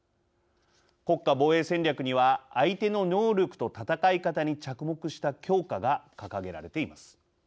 国家防衛戦略には相手の能力と戦い方に着目した強化が掲げられています。